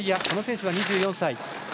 この選手は２４歳。